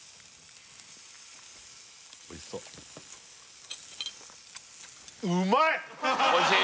おいしそうおいしい？